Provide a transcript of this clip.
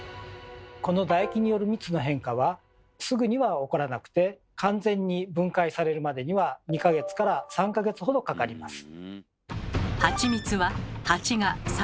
このだ液による蜜の変化はすぐには起こらなくて完全に分解されるまでには２か月から３か月ほどかかります。